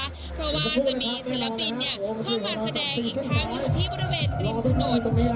เพราะว่าจะมีเสียลักษณิย์เข้ามาแสดงอีกทั้งอยู่ที่ที่แบบกริมถนน